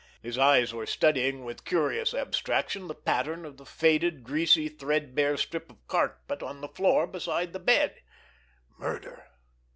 His eyes were studying with curious abstraction the pattern of the faded, greasy, threadbare strip of carpet on the floor beside the bed. Murder!